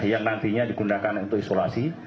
yang nantinya digunakan untuk isolasi